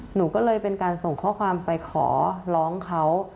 หนูก็เลยเป็นการส่งข้อความไปขอร้องเขา